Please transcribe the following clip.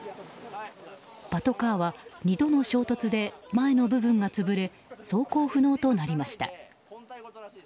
パトカーは２度の衝突で前の部分が潰れ走行不能となりました。